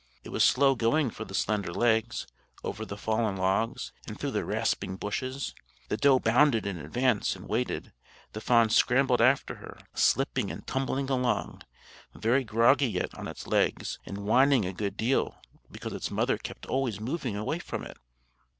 It was slow going for the slender legs, over the fallen logs, and through the rasping bushes. The doe bounded in advance, and waited; the fawn scrambled after her, slipping and tumbling along, very groggy yet on its legs, and whining a good deal because its mother kept always moving away from it.